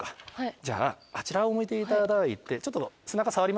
じゃああちらを向いていただいてちょっと背中触りますよ。